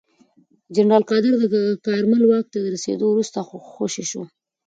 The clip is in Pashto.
جنرال قادر د کارمل واک ته رسېدو وروسته خوشې شو.